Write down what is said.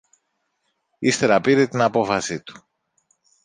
Ύστερα πήρε την απόφαση του.